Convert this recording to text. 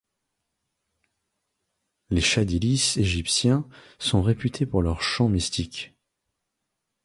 Les chadhilis égyptiens sont réputés pour leurs chants mystiques.